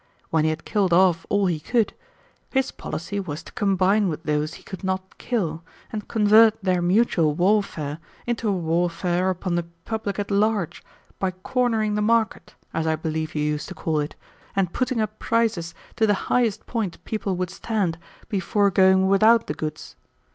When he had killed off all he could, his policy was to combine with those he could not kill, and convert their mutual warfare into a warfare upon the public at large by cornering the market, as I believe you used to call it, and putting up prices to the highest point people would stand before going without the goods.